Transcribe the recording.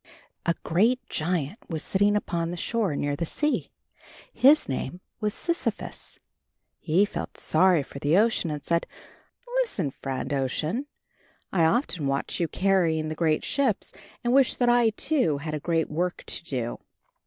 A great giant was sitting upon the shore near the sea. His name was Sisyphus. He felt sorry for the Ocean and said, "Listen, friend Ocean, I often watch you carrying the great ships and wish that I, too, had a great work to do.